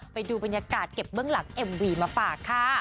ไปดูบรรยากาศเก็บเบื้องหลังเอ็มวีมาฝากค่ะ